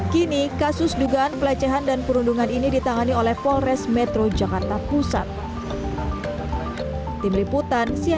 kini kasus dugaan pelecehan dan perundungan ini ditangani oleh polres metro jakarta pusat